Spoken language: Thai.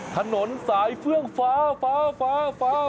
ถนนสายเฟืองฟ้าฟ้าฟ้าฟ้า